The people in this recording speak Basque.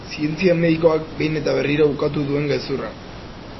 Zientzia medikoak behin eta berriro ukatu duen gezurra.